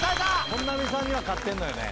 本並さんには勝ってるのよね。